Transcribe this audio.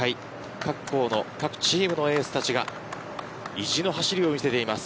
各校の各チームのエースたちが意地の走りを見せています。